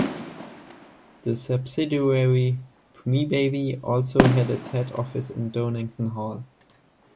The subsidiary bmibaby also had its head office in Donington Hall.